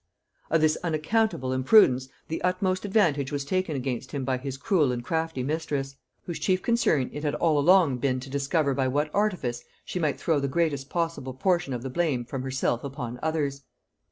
Of this unaccountable imprudence the utmost advantage was taken against him by his cruel and crafty mistress; whose chief concern it had all along been to discover by what artifice she might throw the greatest possible portion of the blame from herself upon others.